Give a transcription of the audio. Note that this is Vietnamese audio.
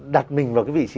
đặt mình vào cái vị trí